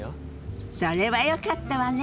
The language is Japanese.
それはよかったわね。